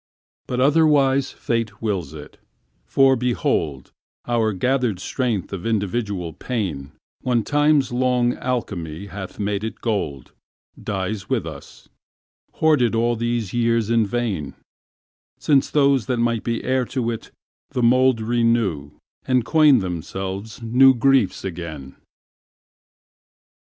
But otherwise Fate wills it, for, behold, Our gathered strength of individual pain, When Time's long alchemy hath made it gold, Dies with us—hoarded all these years in vain, Since those that might be heir to it the mouldRenew, and coin themselves new griefs again.